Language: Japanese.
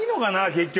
結局。